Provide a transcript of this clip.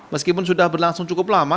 meskipun sudah berlangsung cukup lama